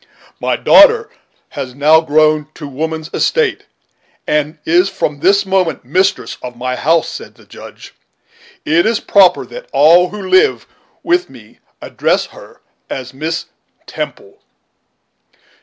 "My daughter has now grown to woman's estate, and is from this moment mistress of my house," said the Judge; "it is proper that all who live with me address her as Miss Temple.